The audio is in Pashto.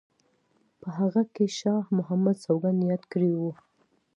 په هغه کې شاه محمد سوګند یاد کړی وو.